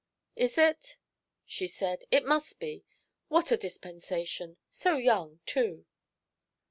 "Is it?" she said. "It must be. What a dispensation! So young, too."